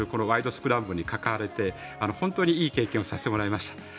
スクランブル」に関われて本当にいい経験をさせてもらいました。